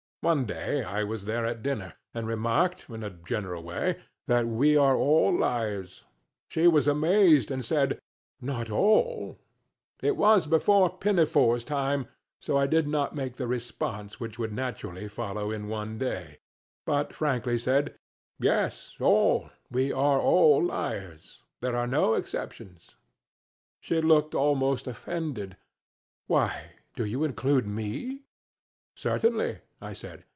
One day I was there at dinner, and remarked, in a general way, that we are all liars. She was amazed, and said, "Not all?" It was before "Pinafore's" time so I did not make the response which would naturally follow in our day, but frankly said, "Yes, all we are all liars. There are no exceptions." She looked almost offended, "Why, do you include me?" "Certainly," I said.